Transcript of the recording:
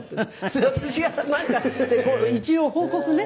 「それで私がなんか一応報告ね」